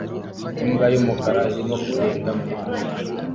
Imbwa y'umukara irimo kugenda mu mazi